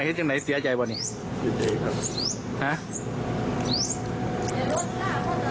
คุณผู้ชมฟังเสียงผู้ต้องหากันหน่อยนะคะ